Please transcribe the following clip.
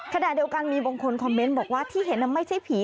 ขณะเดียวกันมีบางคนคอมเมนต์บอกว่าที่เห็นไม่ใช่ผี